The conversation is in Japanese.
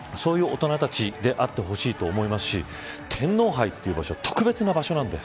そういう大人たちであってほしいと思いますし天皇杯という場所は特別な場所です。